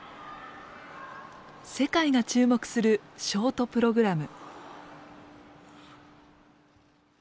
世界が注目するショートプログラム。